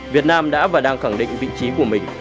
việt nam đã và đang khẳng định vị trí của mình